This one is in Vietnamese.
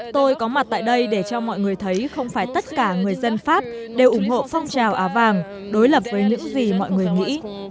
tôi có mặt tại đây để cho mọi người thấy không phải tất cả người dân pháp đều ủng hộ phong trào áo vàng đối lập với những gì mọi người nghĩ